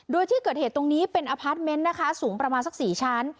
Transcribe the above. โดยที่เกิดเหตุตรงนี้เป็นอพาร์ทเมนต์นะคะสูงประมาณสัก๔ชั้น